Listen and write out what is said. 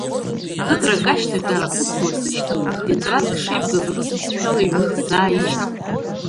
Ԥыҭрак ашьҭахь арахәыц ласышьҭын, тетрадк шеибгаз урыс бызшәала иҩны исзааишьҭит.